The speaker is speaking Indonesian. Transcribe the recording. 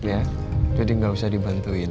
ya jadi gak usah dibantuin